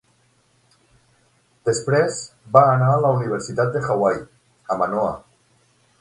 Després va anar a la Universitat de Hawaii, a Manoa.